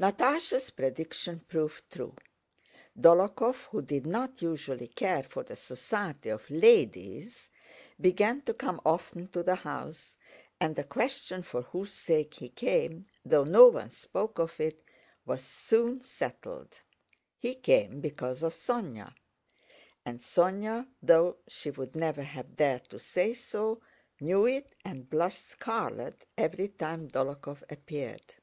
Natásha's prediction proved true. Dólokhov, who did not usually care for the society of ladies, began to come often to the house, and the question for whose sake he came (though no one spoke of it) was soon settled. He came because of Sónya. And Sónya, though she would never have dared to say so, knew it and blushed scarlet every time Dólokhov appeared.